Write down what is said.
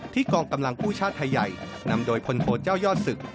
กองกำลังผู้ชาติไทยใหญ่นำโดยพลโทเจ้ายอดศึก